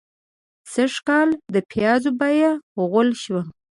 سږکال د پيازو بيه غول شوه.